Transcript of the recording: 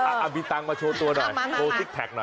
เอามีตังค์มาโชว์ตัวหน่อยโชว์ซิกแพคหน่อย